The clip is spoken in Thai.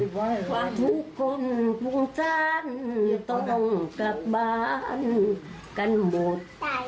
ว่าทุกคนภูมิใจต้องกลับบ้านกันหมด